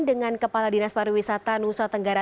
dengan kepala dinas pariwisata nusa tenggara